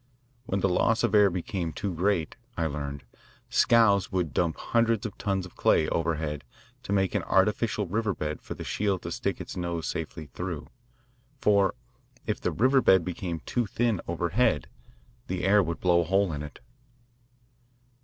When the loss of air became too great, I learned, scows would dump hundreds of tons of clay overhead to make an artificial river bed for the shield to stick its nose safely through, for if the river bed became too thin overhead the "air" would blow a hole in it.